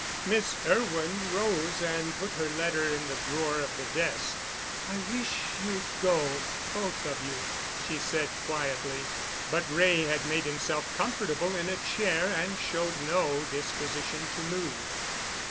Miss Irwin rose and put her letter in the drawer of the desk. "I wish you'd go—both of you," she said quietly. But Wray had made himself comfortable in a chair and showed no disposition to move.